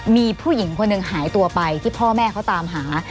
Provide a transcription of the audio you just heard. มีผู้หญิงคนหนึ่งหายตัวไปที่พ่อแม่เขาตามหา